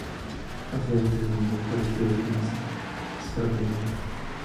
Más adelante se nombró por la ciudad finesa de Savonlinna.